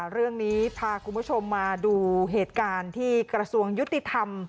เรื่องนี้พาคุณผู้ชมมาดูเหตุการณ์ที่กระทรวงยุติธรรม